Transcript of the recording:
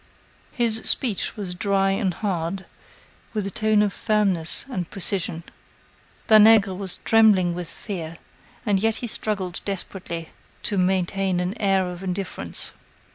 His speech was dry and hard, with a tone of firmness and precision. Danègre was trembling with fear, and yet he struggled desperately to maintain an air of indifference.